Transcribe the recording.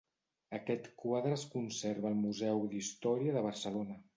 Aquest quadre es conserva al Museu d'Història de Barcelona.